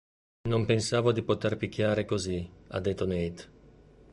Non pensavo di poter picchiare così" ha detto Nate.